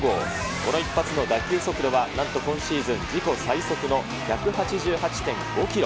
この一発の打球速度はなんと今シーズン自己最速の１８８．５キロ。